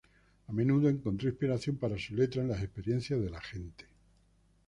A menudo encontró inspiración para sus letras en las experiencias de la gente.